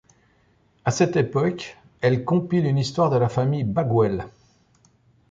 À cette époque, elle compile une histoire de la famille Bagwell.